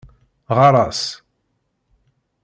Ɣer-as.